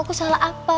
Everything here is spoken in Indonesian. aku salah apa